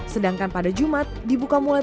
sedangkan pada jumat dibuka mulai